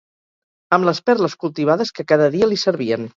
amb les perles cultivades que cada dia li servien